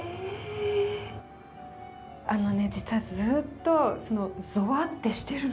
あのね実はずっとゾワッてしてるの。